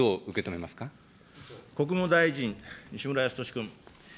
国務大臣、西村康稔君。